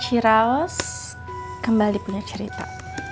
ciraos kembali punya cerita